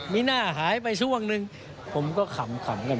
มีหน้าหายไปช่วงหนึ่งผมก็ขำกัน